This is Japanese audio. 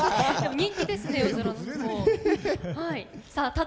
人気ですね